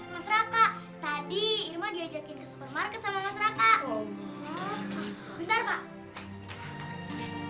mas dimas kok lemes sih